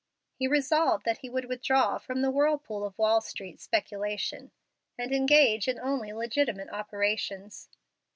He resolved that he would withdraw from the whirlpool of Wall Street speculation and engage in only legitimate operations.